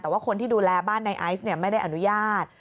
แต่ว่าคนที่ดูแลบ้านในไอซ์ไม่ได้อนุญาต